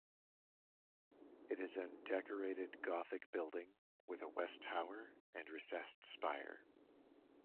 It is an Decorated Gothic building with a west tower and recessed spire.